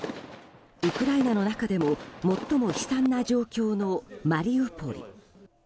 ウクライナの中でも最も悲惨な状況のマリウポリ。